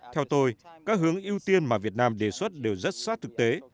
theo tôi các hướng ưu tiên mà việt nam đề xuất đều rất sát thực tế